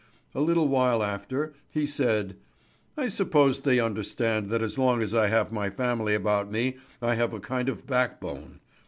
A little while after he said: "I suppose they understand that as long as I have my family about me I have a kind of backbone.